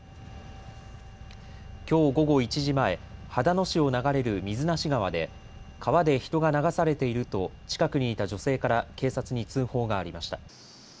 きょう午後１時前、秦野市を流れる水無川で川で人が流されていると近くにいた女性から警察に通報がありました。